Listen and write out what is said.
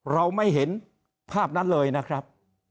เราไม่เห็นภาพนั้นเลยนะครับ